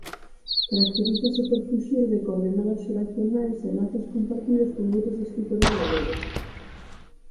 Caracterízase por fuxir de coordenadas xeracionais e lazos compartidos con outros escritores galegos.